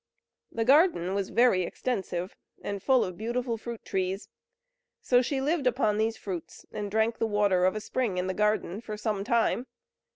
The garden was very extensive, and full of beautiful fruit trees; so she lived upon these fruits, and drank the water of a spring in the garden for some time.